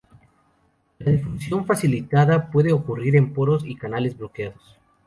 La difusión facilitada puede ocurrir en poros y canales bloqueados.